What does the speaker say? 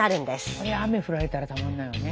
こりゃ雨降られたらたまんないわね。